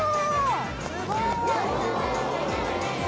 すごい！